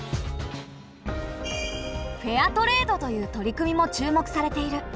フェアトレードという取り組みも注目されている。